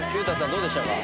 どうでしたか？